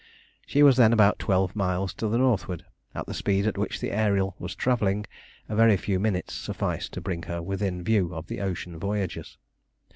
She was then about twelve miles to the northward. At the speed at which the Ariel was travelling a very few minutes sufficed to bring her within view of the ocean voyagers.